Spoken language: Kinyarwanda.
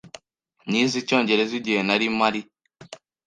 Nize Icyongereza igihe nari mpari.